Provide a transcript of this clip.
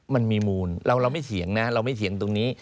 มันมีมูลเราไม่เถียงนะเราไม่เถียงตรงนี้